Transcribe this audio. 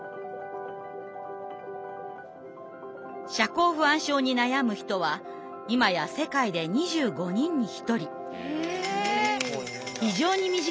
社交不安症に悩む人は今や世界で２５人に１人。